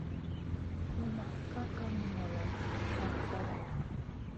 Lumʼma ka kan ŋolo, nan faraiya.